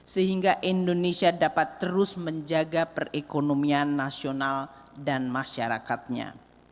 sehingga indonesia dapat terus menjaga perekonomian nasional dan masyarakatnya